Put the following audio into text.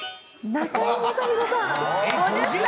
中居さん